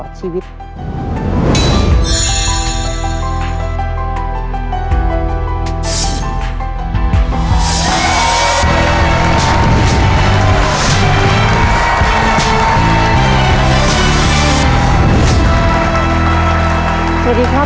สวัสดีครับ